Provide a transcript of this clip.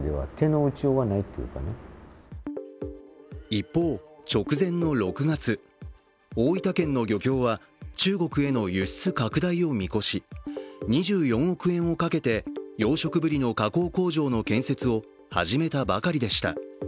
一方、直前の６月、大分県の漁協は中国への輸出拡大を見越し２４億円をかけて養殖ブリの加工工場の建設を始めたばかりでした。